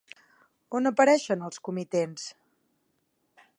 On apareixen els comitents?